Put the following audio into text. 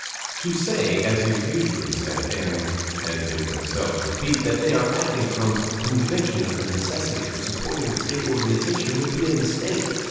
To say, as is usually said, and as they would themselves repeat, that they are acting from conviction of the necessity for supporting the state organization, would be a mistake.